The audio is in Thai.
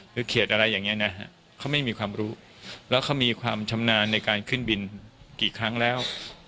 คือเขตอะไรอย่างนี้นะฮะเขาไม่มีความรู้แล้วเขามีความชำนาญในการขึ้นบินกี่ครั้งแล้ว